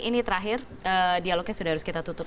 ini terakhir dialognya sudah harus kita tutup